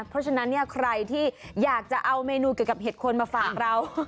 เพราะฉะนั้นเนี่ยใครที่อยากจะเอาเมนูเกี่ยวกับเห็ดคนมาฝากเรา